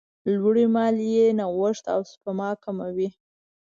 لوړې مالیې نوښت او سپما کموي.